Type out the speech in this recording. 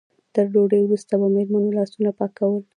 تر ډوډۍ وروسته به مېرمنو لاسونه پاکول.